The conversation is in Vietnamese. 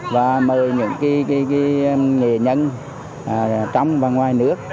và mời những nghề nhân trong và ngoài nước